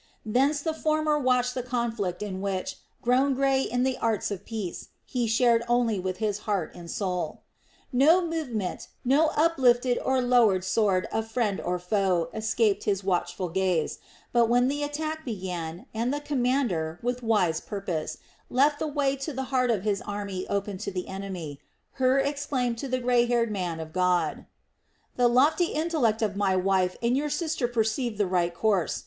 Thence the former watched the conflict in which, grown grey in the arts of peace, he shared only with his heart and soul. No movement, no uplifted or lowered sword of friend or foe escaped his watchful gaze; but when the attack began and the commander, with wise purpose, left the way to the heart of his army open to the enemy, Hur exclaimed to the grey haired man of God: "The lofty intellect of my wife and your sister perceived the right course.